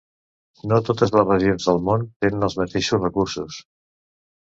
No totes les regions del món tenen els mateixos recursos.